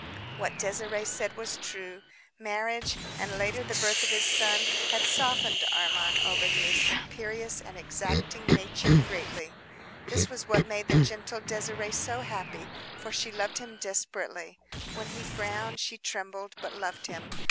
What Désirée said was true. Marriage, and later the birth of his son had softened Armand Aubigny's imperious and exacting nature greatly. This was what made the gentle Désirée so happy, for she loved him desperately. When he frowned she trembled, but loved him.